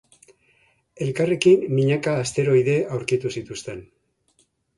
Elkarrekin milaka asteroide aurkitu zituzten.